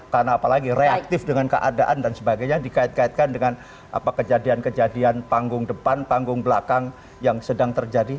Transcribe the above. karena apalagi reaktif dengan keadaan dan sebagainya dikait kaitkan dengan apa kejadian kejadian panggung depan panggung belakang yang sedang terjadi